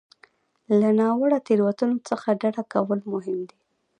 له ناوړه تېروتنو څخه ډډه کول مهم دي.